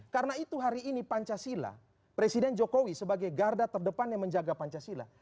karena itu hari ini pancasila presiden jokowi sebagai garda terdepannya menjaga pancasila